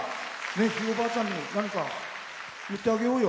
ひいおばあちゃんに何か言ってあげようよ。